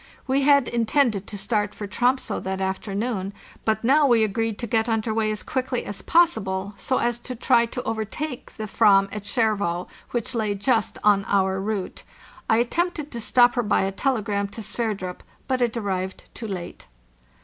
We had intended to start for Tromso that afternoon, but now we agreed to get under way as quickly as possible, so as to try to overtake the /vam at Skjervé, which lay just on our route. I attempted to stop her by a telegram to Sverdrup, but it arrived too late.